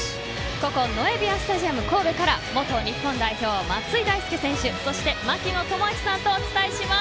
ここノエビアスタジアム神戸から元日本代表、松井大輔選手そして槙野智章さんとお伝えします。